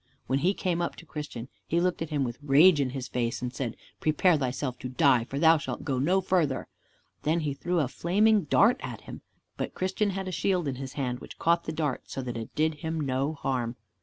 When he came up to Christian he looked at him with rage in his face, and said, "Prepare thyself to die, for thou shalt go no farther." And he threw a flaming dart at him, but Christian had a shield in his hand, which caught the dart, so that it did him no harm.